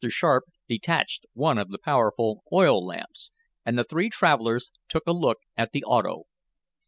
Sharp detached one of the powerful oil lamps, and the three travelers took a look at the auto.